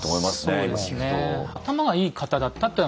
そうですね。